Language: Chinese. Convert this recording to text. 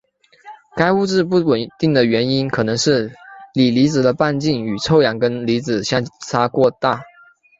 该物质不稳定的原因可能是锂离子的半径与臭氧根离子相差过大。